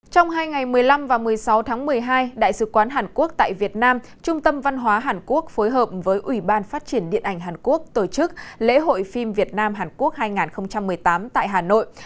trong hai ngày một mươi năm và một mươi sáu tháng một mươi hai đại sứ quán hàn quốc tại việt nam trung tâm văn hóa hàn quốc phối hợp với ủy ban phát triển điện ảnh hàn quốc tổ chức lễ hội phim việt nam hàn quốc hai nghìn một mươi tám tại hà nội